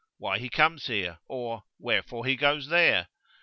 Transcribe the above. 15]Why he comes here? or Wherefore he goes there?